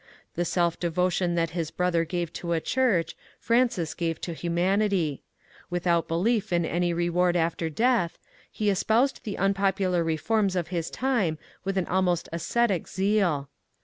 The self devotion that his brother gave to a church, Francis gave to humanity. Without belief in any reward after death, he espoused the FRANCIS WILLIAM NEWMAN 449 unpopular reforms of his time with an almost asoetio zeal.